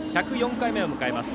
１０４回目を迎えます。